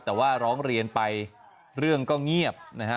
แต่ว่าร้องเรียนไปเรื่องก็เงียบนะฮะ